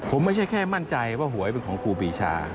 ผมไม่ใช่แค่มั่นใจว่าหวยเป็นของครูปีชา